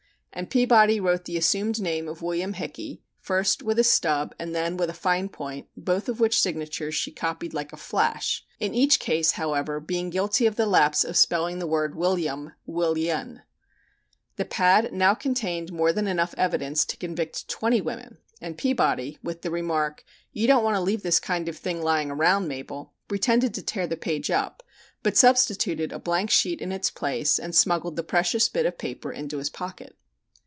And Peabody wrote the assumed name of William Hickey, first with a stub and then with a fine point, both of which signatures she copied like a flash, in each case, however, being guilty of the lapse of spelling the word Willia_m_ "Willia_n_." The pad now contained more than enough evidence to convict twenty women, and Peabody, with the remark, "You don't want to leave this kind of thing lying around, Mabel," pretended to tear the page up, but substituted a blank sheet in its place and smuggled the precious bit of paper into his pocket.